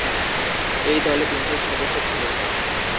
এই দলে তিনজন সদস্য ছিল।